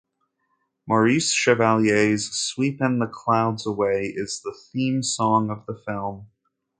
Maurice Chevalier's "Sweepin' the Clouds Away" is the theme song of the film.